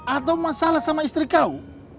atau masalah sama istri kamu